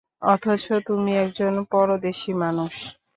অথচ তুমি একজন পরদেশী মানুষ।